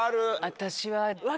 私は。